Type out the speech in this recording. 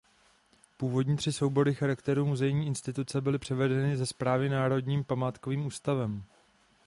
Původní tři soubory charakteru muzejní instituce byly převedeny ze správy Národním památkovým ústavem.